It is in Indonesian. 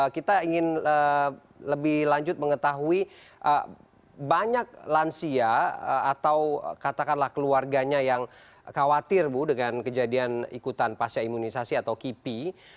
kita ingin lebih lanjut mengetahui banyak lansia atau katakanlah keluarganya yang khawatir bu dengan kejadian ikutan pasca imunisasi atau kipi